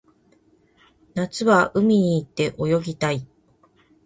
夏は海に行って泳ぎたい